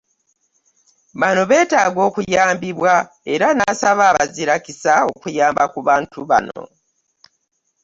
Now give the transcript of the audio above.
Bano beetaaga okuyambibwa era n'asaba Abazirakisa okuyamba ku bantu bano.